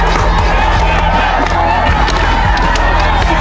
อันซ่อนละแม่